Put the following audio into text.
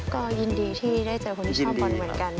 ก็ยินดีที่ได้เจอคนที่ชอบบอลเหมือนกัน